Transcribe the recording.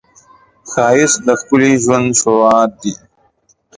ښایست د ښکلي ژوند شروعات دی